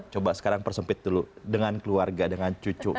coba sekarang persempit dulu dengan keluarga dengan cucu